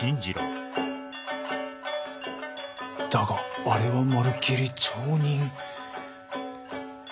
だがあれはまるきり町人。